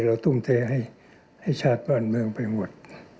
ทุ่มเทให้ชาติบ้านเมืองไปหมด